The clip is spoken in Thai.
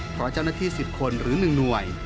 เพราะเจ้าหน้าที่๑๐คนหรือ๑หน่วย